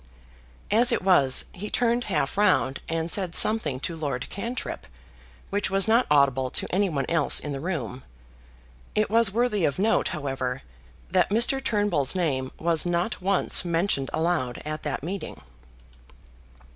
As it was, he turned half round and said something to Lord Cantrip which was not audible to any one else in the room. It was worthy of note, however, that Mr. Turnbull's name was not once mentioned aloud at that meeting.